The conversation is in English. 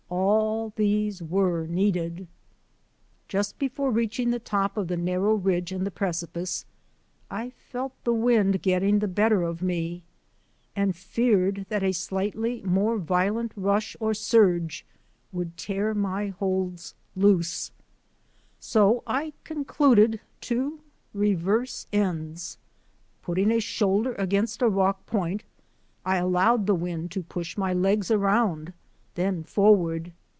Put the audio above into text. All these were needed. Just before reaching the top of the narrow ridge and the precipice, I felt the wind getting the bet ter of me and feared that a slightly more violent WIND RAPIDS ON THE HEIGHTS 87 rush or surge would tear my holds loose. So I con cluded to reverse ends. Putting a shoulder against a rock point, I allowed the wind to push my legs around, then forward.